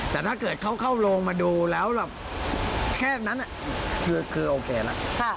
แต่ถ้าเกิดเขาเข้าโรงมาดูแล้วแบบแค่นั้นคือโอเคละ